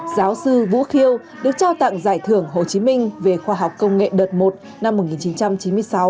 giáo sư vũ khiêu được trao tặng giải thưởng hồ chí minh về khoa học công nghệ đợt một năm một nghìn chín trăm chín mươi sáu